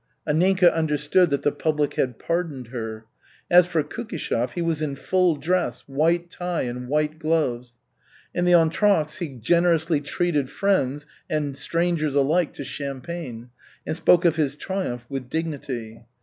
Anninka understood that the public had pardoned her. As for Kukishev, he was in full dress, white tie and white gloves. In the entr'actes he generously treated friends and strangers alike to champagne and spoke of his triumph with dignity.